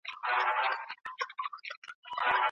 د ماشوم پر شونډو د تبې سپین ځگونه ښکاره شول.